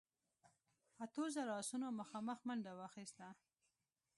اتو زرو آسونو مخامخ منډه واخيسته.